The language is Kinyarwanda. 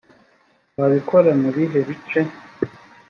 wabikora mu bihe bice